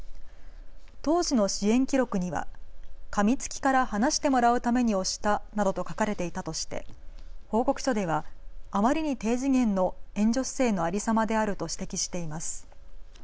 当時の支援記録にはかみつきから離してもらうために押したなどと書かれていたとして報告書ではあまりに低次元の援助姿勢のありさまであると指摘しています。